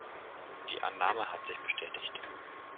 Die Annahme hat sich bestätigt.